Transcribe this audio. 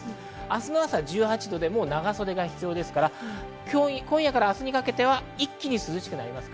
明日の朝、１８度で長袖が必要ですから、今夜から明日にかけては一気に涼しくなります。